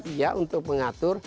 iya untuk mengatur